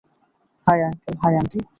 High, uncle, hi, aunty.